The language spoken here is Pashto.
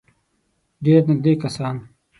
ډېر نېږدې کسان.